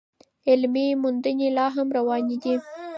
علمي موندنې لا هم روانې دي.